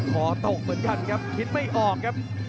คอตกเหมือนกันครับคิดไม่ออกครับ